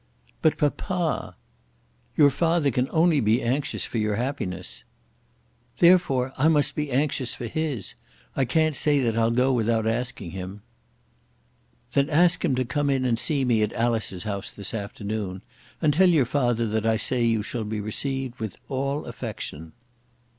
"But papa!" "Your father can only be anxious for your happiness." "Therefore I must be anxious for his. I can't say that I'll go without asking him." "Then ask him and come in and see me at Alice's house this afternoon. And tell your father that I say you shall be received with all affection."